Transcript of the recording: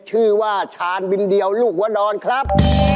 ชื่อว่าชานบิมเดียวลูกวดรครับ